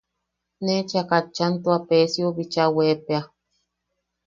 Ne cheʼa katchan tua Peesiou bicha weepea.